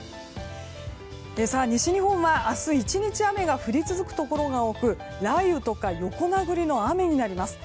西日本は、明日１日雨が降り続くところが多く雷雨とか横殴りの雨になります。